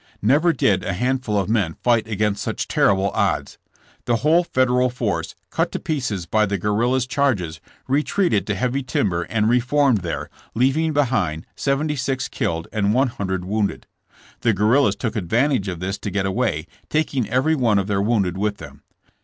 Never did a handful of men fight against such terri ble odds. The whole Federal force, cut to pieces by the guerrillas charges, retreated to heavy timber and reformed there, leaving behind seventy six killed and one hundred wounded. The guerrillas took ad vantage of this to get away, taking every one of their wounded with them.